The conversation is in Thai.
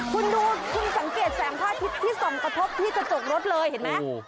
คุณดูคุณสังเกตแสงผ้าทิพย์ที่ส่องกระทบที่กระจกรถเลยเห็นไหม